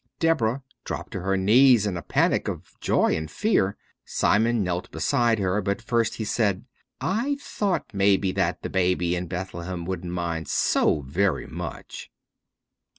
Deborah dropped to her knees in a panic of joy and fear. Simon knelt beside her, but first he said, "I thought maybe that the baby in Bethlehem wouldn't mind so very much."